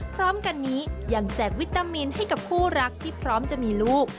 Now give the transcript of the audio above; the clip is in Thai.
พร้อมกันนี้ยังแจกวิตามินให้กับคู่รักที่พร้อมจะมีลูก